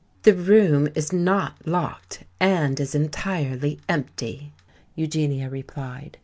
"The room is not locked and is entirely empty," Eugenia replied.